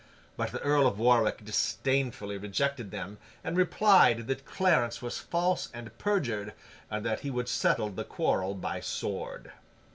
But, the Earl of Warwick disdainfully rejected them, and replied that Clarence was false and perjured, and that he would settle the quarrel by the sword.